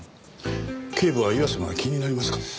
警部は岩瀬が気になりますか？